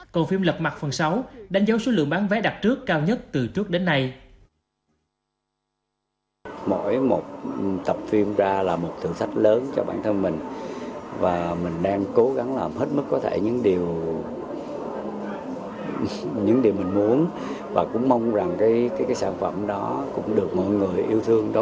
còn phim lật mặt phần sáu đánh dấu số lượng bán vé đặt trước cao nhất từ trước đến nay